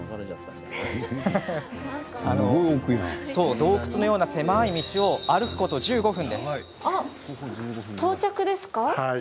洞窟のような狭い道を歩くこと１５分。